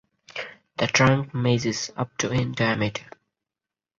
The trunk measures up to in diameter.